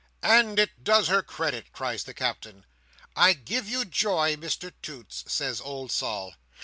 "And it does her credit!" cries the Captain. "I give you joy, Mr Toots!" says old Sol.